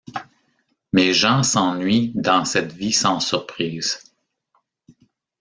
Mais Jean s'ennuie dans cette vie sans surprise.